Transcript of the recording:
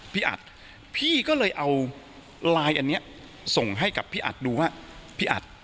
พี่อัดพี่ก็เลยเอาไลน์อันนี้ส่งให้กับพี่อัดดูว่าพี่อัด